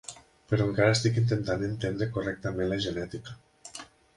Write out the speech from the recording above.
Però encara estic intentant entendre correctament la genètica.